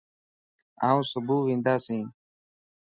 آن صبح وندياسين